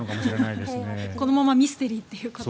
このままミステリーということで。